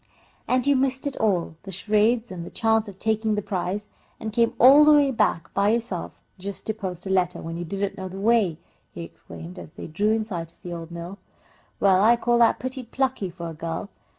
"And you missed it all the charades and the chance of taking the prize and came all the way back by yourself just to post a letter, when you didn't know the way!" he exclaimed again as they drew in sight of the old mill. "Well, I call that pretty plucky for a girl."